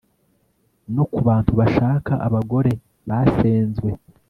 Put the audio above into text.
no ku bantu bashaka abagore basenzwe